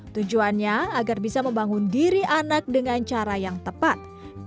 tujuannya agar bisa membangun diri anak dengan cara yang tepat